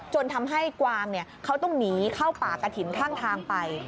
จนทำให้กวางเขาต้องหนีเข้าป่ากระถิ่นข้างทางไป